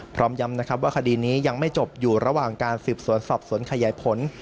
พร้อมย้ำนะครับว่าคดีนี้ยังไม่จบอยู่ระหว่างการสืบสวนสอบสวนขยายผล